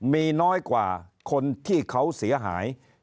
มีน้อยกว่าคนที่เขาเสียหาย